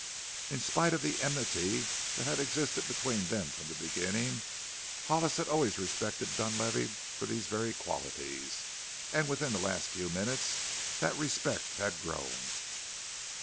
In spite of the enmity that had existed between them from the beginning, Hollis had always respected Dunlavey for these very qualities, and within the last few minutes that respect had grown.